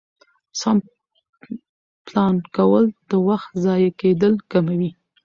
سم پلان کول د وخت ضایع کېدل کموي